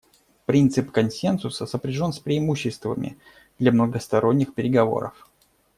Принцип консенсуса сопряжен с преимуществами для многосторонних переговоров.